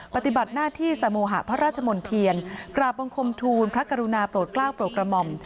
ปฏิบัติหน้าที่สโมหะพระราชมนเทียนกราบบังคมทูลพระกรุณาโปรดกล้าวโปรดกระหม่อม